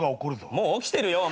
もう起きてる！